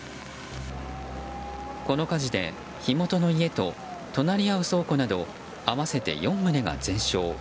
この火事で火元の家と隣り合う倉庫など合わせて４棟が全焼。